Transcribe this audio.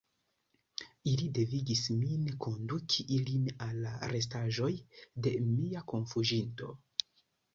Ili devigis min konduki ilin al la restaĵoj de mia kunfuĝinto.